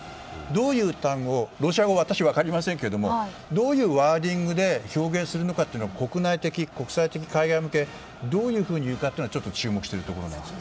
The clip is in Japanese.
どういう単語、ロシア語は私は分かりませんけどもどういうワーディングで表現するのかというのが国内的、国際的に向けてどういうふうに言うかというのは注目しているところです。